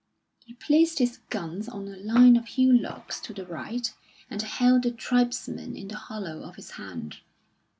He placed his guns on a line of hillocks to the right, and held the tribesmen in the hollow of his hand.